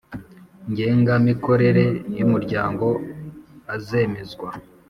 ngenga mikorere y Umuryango azemezwa